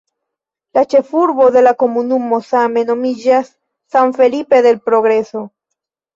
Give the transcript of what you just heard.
La ĉefurbo de la komunumo same nomiĝas "San Felipe del Progreso".